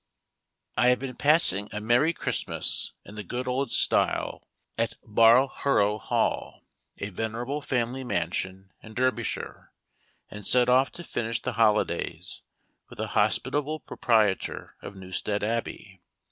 I had been passing a merry Christmas in the good old style at Barlhoro' Hall, a venerable family mansion in Derbyshire, and set off to finish the holidays with the hospitable proprietor of Newstead Abbey.